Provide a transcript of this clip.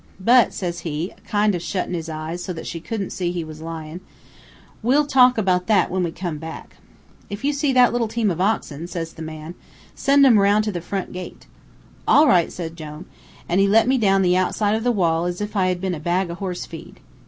But,' says he, a kind o' shuttin' his eyes so that she shouldn't see he was lyin', 'we'll talk about that when we come back.' "'If you see that team of little oxen,' says the big man, 'send 'em 'round to the front gate.' "'All right,' says Jone; an' he let me down the outside of the wall as if I had been a bag o' horse feed.